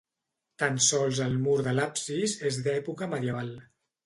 Tan sols el mur de l'absis és d'època medieval.